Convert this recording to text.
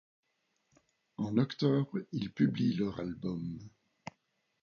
En octobre, ils publient leur album '.